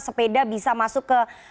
sepeda bisa masuk ke